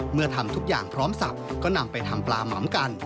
ทำทุกอย่างพร้อมสับก็นำไปทำปลาหมำกัน